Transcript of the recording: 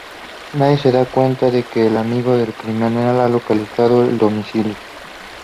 Nadie se da cuenta de que el amigo del criminal ha localizado el domicilio.